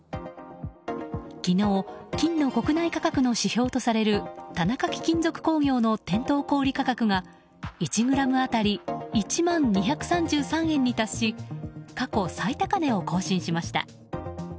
昨日金の国内価格の指標とされる田中貴金属工業の店頭小売価格が１ｇ当たり１万２３３円に達し過去最高値を更新しました。